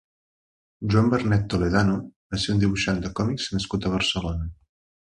Joan Bernet Toledano va ser un dibuixant de còmics nascut a Barcelona.